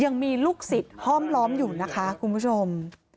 ยังมีลูกศิษย์ห้อมล้อมอยู่นะคะคุณผู้ชม